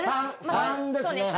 ３ですね。